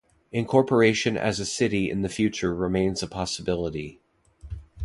Incorporation as a city in the future remains a possibility.